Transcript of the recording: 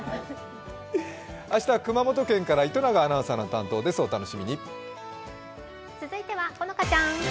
明日は熊本県から糸永アナウンサーの担当です、お楽しみに。